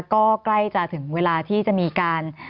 ก็ใกล้จะถึงเวลาที่จะมีการ